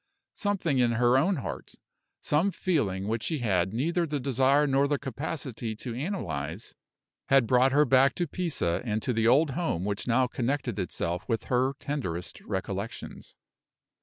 Something in her own heart some feeling which she had neither the desire nor the capacity to analyze had brought her back to Pisa and to the old home which now connected itself with her tenderest recollections.